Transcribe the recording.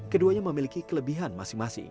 keduanya memiliki kelebihan masing masing